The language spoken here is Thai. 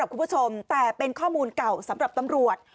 ข้อมูลเก่าสำหรับตำรวจ